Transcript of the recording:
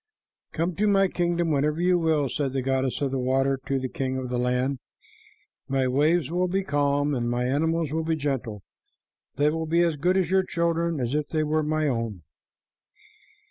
"Come to my kingdom whenever you will," said the goddess of the water to the king of the land. "My waves will be calm, and my animals will be gentle. They will be as good to your children as if they were my own.